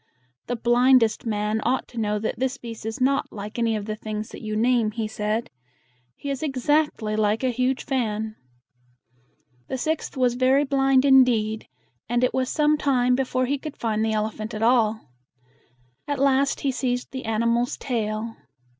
"The blind est man ought to know that this beast is not like any of the things that you name," he said. "He is ex act ly like a huge fan." The sixth was very blind indeed, and it was some time before he could find the elephant at all. At last he seized the animal's tail.